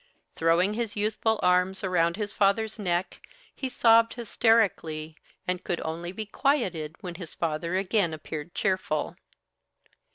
Throwing his youthful arms around his father's neck, he sobbed hysterically, and could only be quieted when his father again appeared cheerful.